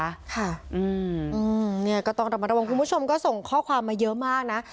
ค่ะอืมเนี่ยก็ต้องระมัดระวังคุณผู้ชมก็ส่งข้อความมาเยอะมากนะ